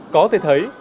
có thể thấy